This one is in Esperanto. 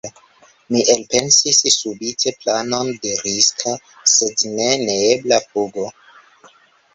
Mi elpensis subite planon de riska, sed ne neebla fugo.